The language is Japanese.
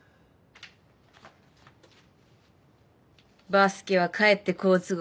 バスケはかえって好都合。